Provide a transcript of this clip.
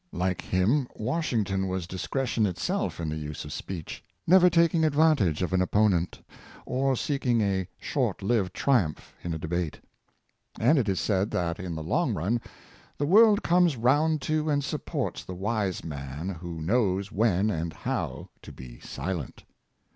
Like him, Washington was discretion itself in the use of speech, never taking advantage of an opponent, or seeking a short lived triumph in a debate. And it is said that, in the long run, the world comes round to and supports the wise man who knows when and how to be silent.